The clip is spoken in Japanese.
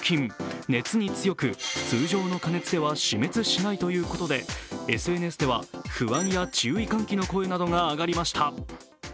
このウェルシュ菌、熱に強く通常の加熱では死滅しないということで、ＳＮＳでは不安や注意喚起の声が上がりました。